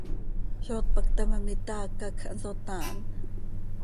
¿Zó tpacta ma, mitaaca quij hanso taan?